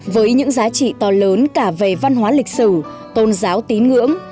với những giá trị to lớn cả về văn hóa lịch sử tôn giáo tín ngưỡng